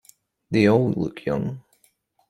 They all look young.